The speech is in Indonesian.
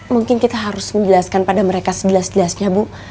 mungkin kita harus menjelaskan pada mereka sejelas jelasnya bu